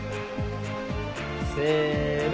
せの。